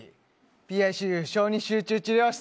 ＰＩＣＵ小児集中治療室